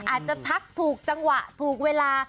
อาจจะทักถูกจังหวะถูกเวลา